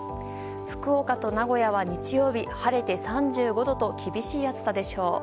福岡と名古屋は日曜日、晴れて３５度と厳しい暑さでしょう。